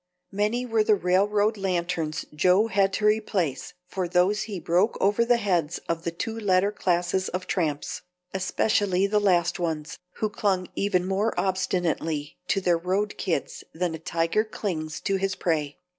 Many were the railroad lanterns Joe had to replace for those he broke over the heads of the two latter classes of tramps, especially the last ones, who clung even more obstinately to their road kids than a tiger clings to his prey.